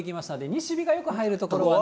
西日がよく入る所はね。